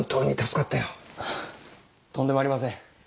とんでもありません。